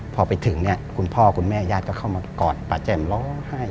พอไปถึงเนี่ยคุณพ่อคุณแม่ญาติก็เข้ามากอดป้าแจ่มร้องไห้